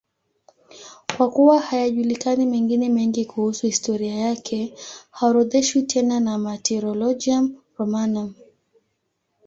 Kwa kuwa hayajulikani mengine mengi kuhusu historia yake, haorodheshwi tena na Martyrologium Romanum.